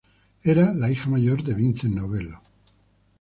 Era la hija mayor de Vincent Novello.